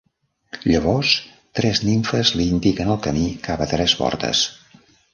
Llavors tres nimfes li indiquen el camí cap a tres portes.